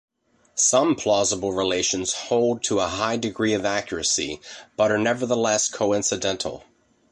Some plausible relations hold to a high degree of accuracy, but are nevertheless coincidental.